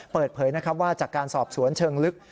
เปิดเผยนะครับว่าจากการสอบสวนเชิงลึก